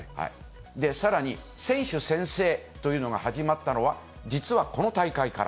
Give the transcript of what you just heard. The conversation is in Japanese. さらに、選手宣誓というのが始まったのは、実はこの大会から。